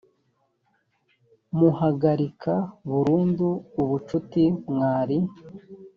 muhagarika burundu ubucuti mwari